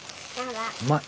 うまい。